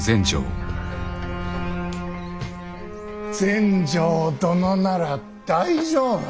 全成殿なら大丈夫。